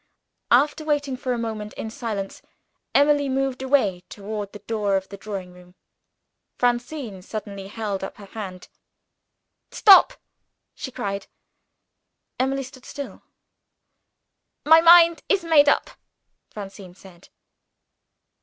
After waiting for a moment in silence, Emily moved away toward the door of the drawing room. Francine suddenly held up her hand. "Stop!" she cried. Emily stood still. "My mind is made up," Francine said.